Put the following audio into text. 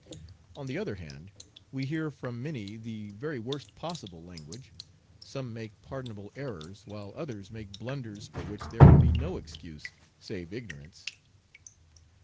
On the other hand, we hear from many the very worst possible language. Some make pardonable errors, while others make blunders for which there can be no excuse save ignorance.